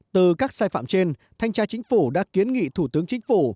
từ các sai phạm trên thanh tra chính phủ đã kiến nghị thủ tướng chính phủ